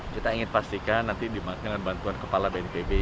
kita ingin pastikan nanti dengan bantuan kepala bnpb